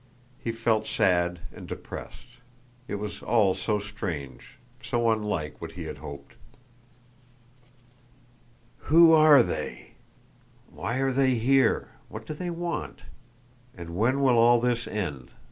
He felt sad and depressed. It was all so strange, so unlike what he had hoped. "Who are they? Why are they here? What do they want? And when will all this end?"